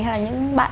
hay là những bạn